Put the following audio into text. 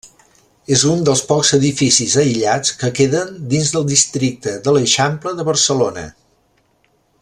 És un dels pocs edificis aïllats que queden dins del districte de l'Eixample de Barcelona.